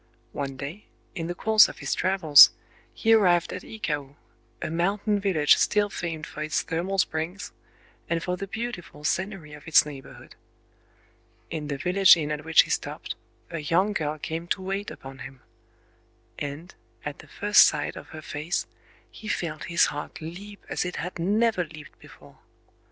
One day, in the course of his travels, he arrived at Ikao,—a mountain village still famed for its thermal springs, and for the beautiful scenery of its neighborhood. In the village inn at which he stopped, a young girl came to wait upon him; and, at the first sight of her face, he felt his heart leap as it had never leaped before.